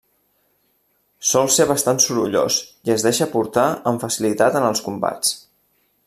Sòl ser bastant sorollós i es deixa portar amb facilitat en els combats.